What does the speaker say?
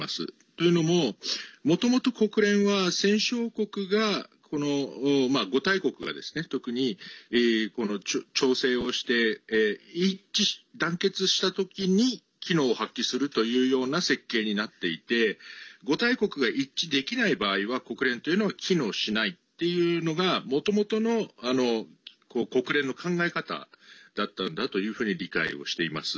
というのももともと国連は戦勝国が５大国がですね、特に調整をして一致団結したときに機能を発揮するというような設計になっていて５大国が一致できない場合は国連というのは機能しないというのがもともとの国連の考え方だったんだというふうに理解をしています。